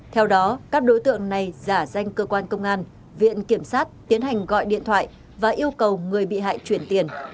theo đó các đối tượng này giả danh cơ quan công an viện kiểm sát tiến hành gọi điện thoại và yêu cầu người bị hại chuyển tiền